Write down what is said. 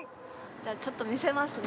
じゃあちょっとみせますね。